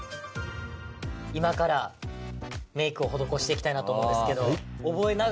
今からメイクを施していきたいなと思うんですけど。